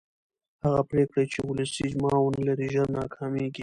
هغه پرېکړې چې ولسي اجماع ونه لري ژر ناکامېږي